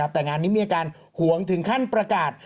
แต่งานนี้มีอาการหวงถึงขั้นประกาศ